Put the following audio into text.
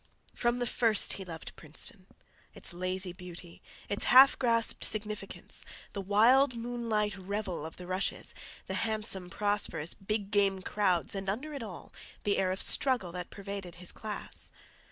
From the first he loved Princeton—its lazy beauty, its half grasped significance, the wild moonlight revel of the rushes, the handsome, prosperous big game crowds, and under it all the air of struggle that pervaded his class.